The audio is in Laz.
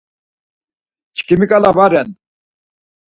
Çkimǩala va ren.